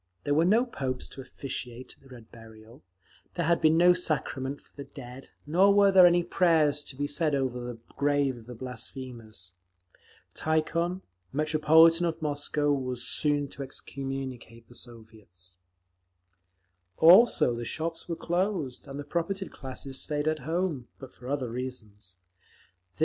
There were no popes to officiate at the Red Burial, there had been no sacrament for the dead, nor were any prayers to be said over the grave of the blasphemers. Tikhon, Metropolitan of Moscow, was soon to excommunicate the Soviets…. Also the shops were closed, and the propertied classes stayed at home—but for other reasons.